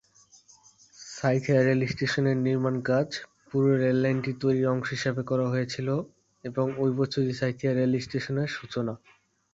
সাঁইথিয়া রেলস্টেশনের নির্মাণ কাজ পুরো রেল লাইনটি তৈরির অংশ হিসাবে করা হয়েছিল এবং ওই বছরই সাঁইথিয়া রেল স্টেশনের সূচনা।